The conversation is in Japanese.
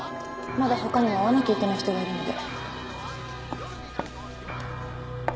まだ他にも会わなきゃいけない人がいるので。